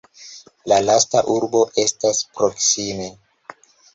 La lasta urbo estas proksime.